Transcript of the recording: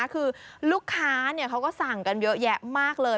คือลูกค้าเขาก็สั่งกันเยอะแยะมากเลย